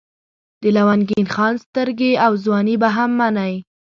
د لونګین خان سترګې او ځواني به هم منئ.